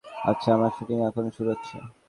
আচ্ছা, আমার শুটিং কখন শুরু হচ্ছে?